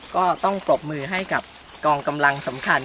ก็ต้องปรบมือให้กับกองกำลังสำคัญ